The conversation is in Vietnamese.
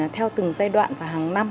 theo từng giai đoạn và hàng năm